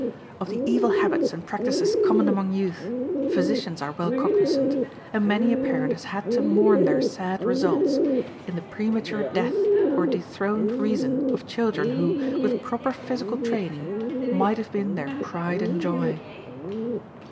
Of the evil habits and practices common among youth, physicians are well cognizant, and many a parent has had to mourn their sad results in the premature death or dethroned reason of children who, with proper physical training, might have been their pride and joy.